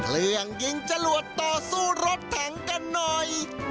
เรื่องยิงจรวดต่อสู้รถถังกันหน่อย